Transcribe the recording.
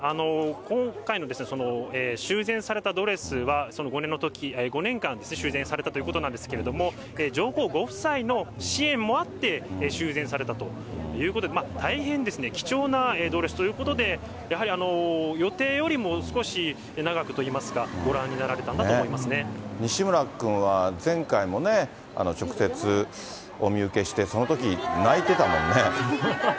今回の修繕されたドレスは、５年間、修繕されたということなんですけれども、上皇ご夫妻の支援もあって、修繕されたということで、大変貴重なドレスということで、やはり予定よりも少し長くといいますか、西村君は、前回もね、直接、お見受けして、そのとき、泣いてたもんね。